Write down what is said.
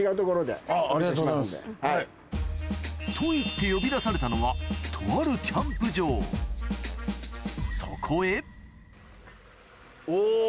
と言って呼び出されたのはとあるキャンプ場おぉ！